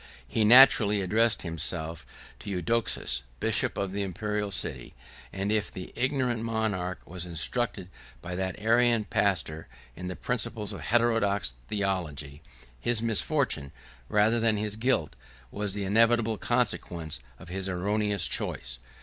He naturally addressed himself to Eudoxus, 66 6611 bishop of the Imperial city; and if the ignorant monarch was instructed by that Arian pastor in the principles of heterodox theology, his misfortune, rather than his guilt, was the inevitable consequence of his erroneous choice.